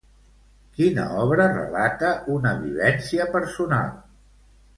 Quina obra relata una vivència personal?